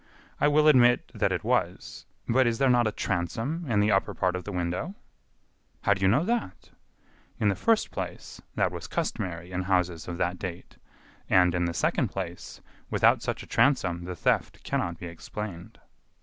"I will admit that it was; but is there not a transom in the upper part of the window?" "How do you know that?" "In the first place, that was customary in houses of that date; and, in the second place, without such a transom, the theft cannot be explained."